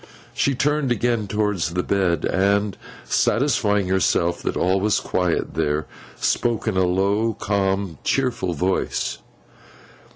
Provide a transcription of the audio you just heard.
She turned again towards the bed, and satisfying herself that all was quiet there, spoke in a low, calm, cheerful voice.